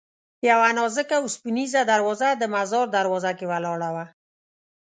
یوه نازکه اوسپنیزه دروازه د مزار دروازه کې ولاړه وه.